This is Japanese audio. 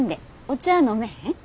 お茶飲めへん？